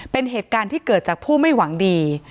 เป็นเหตุการณ์ที่เกิดจากผู้ไม่หวังดี